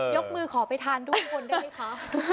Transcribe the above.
ยกมือขอไปทานด้วยคนได้ไหมคะ